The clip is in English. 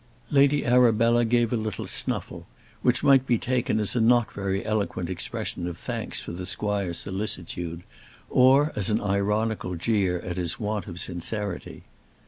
Lady Arabella gave a little snuffle, which might be taken as a not very eloquent expression of thanks for the squire's solicitude, or as an ironical jeer at his want of sincerity.